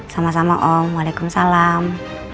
sama sama om waalaikumsalam